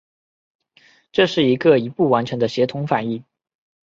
这是一个一步完成的协同反应。